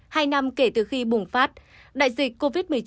hai năm kể từ khi bùng phát đại dịch covid một mươi chín